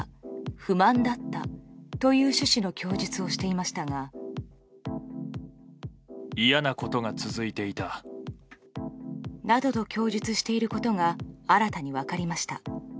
不満だったという趣旨の供述をしていましたが。などと供述していることが新たに分かりました。